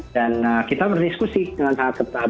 dan kita berdiskusi dengan sangat ketat